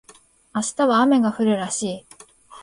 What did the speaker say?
明日は雨が降るらしい